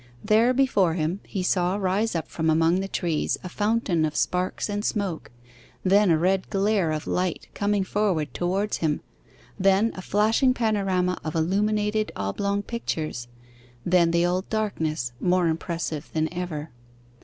There, before him, he saw rise up from among the trees a fountain of sparks and smoke, then a red glare of light coming forward towards him; then a flashing panorama of illuminated oblong pictures; then the old darkness, more impressive than ever.